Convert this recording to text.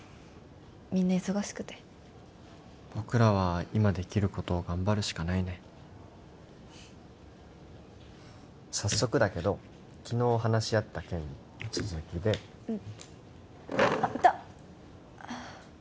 みんな忙しくて僕らは今できることを頑張るしかないね早速だけど昨日話し合った件の続きであっイタッ